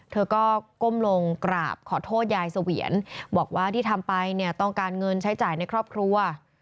เธอก็ก้มลงกราบขอโทษยายเสวียนบอกว่าที่ทำไปเนี่ยต้องการเงินใช้จ่ายในครอบครัว